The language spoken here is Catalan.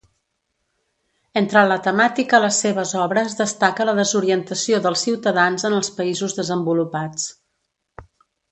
Entre la temàtica les seves obres destaca la desorientació dels ciutadans en els països desenvolupats.